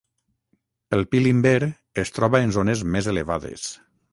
El pi Limber es troba en zones més elevades.